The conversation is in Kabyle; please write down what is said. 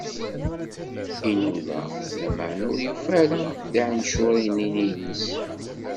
Inuda, lameɛna ur yufi ara tiɛencuṛin-nni-ines.